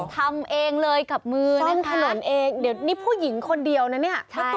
ทำเองเลยกับมือเล่นถนนเองเดี๋ยวนี่ผู้หญิงคนเดียวนะเนี่ย